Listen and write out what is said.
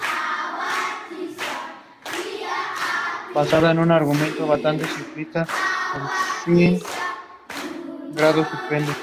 Nació en París, Francia, pero fue criada en Filadelfia.